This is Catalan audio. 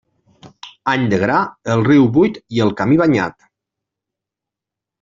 Any de gra, el riu buit i el camí banyat.